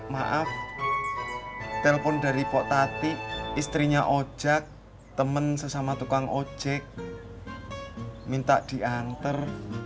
maaf telepon dari potati istrinya ojak temen sesama tukang ojek minta diantar